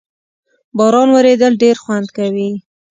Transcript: باران ورېدل ډېر خوند کوي